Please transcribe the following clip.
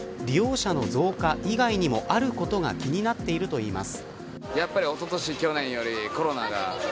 しかし、有川さんは利用者の増加以外にもあることが気になっているといいます。